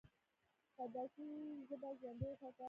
فردوسي ژبه ژوندۍ وساتله.